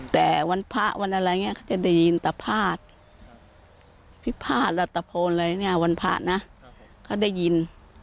แต่วันพระวันอะไรอย่างนี้เขาจะได้ยินตะพาดพิพาทรัฐตะโพนอะไรเนี่ยวันพระนะเขาได้ยิน